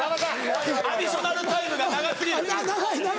アディショナルタイムが長過ぎる。